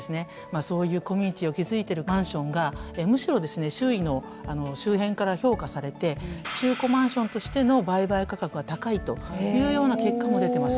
そういうコミュニティを築いてるマンションがむしろ周囲の周辺から評価されて中古マンションとしての売買価格が高いというような結果も出てます。